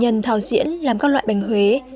nhân thảo diễn làm các loại bánh huế